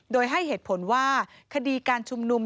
โดยให้เหตุผลว่าคดีการชุมนุม